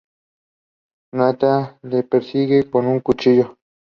Nathan la persigue con un cuchillo.